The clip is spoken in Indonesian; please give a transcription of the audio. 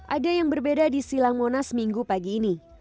ada yang berbeda di silang monas minggu pagi ini